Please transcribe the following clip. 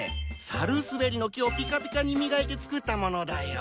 サルスベリの木をピカピカに磨いて作ったものだよ。